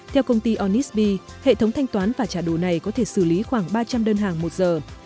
theo công ty onisb hệ thống thanh toán và trả đồ này có thể xử lý khoảng ba trăm linh đơn hàng một giờ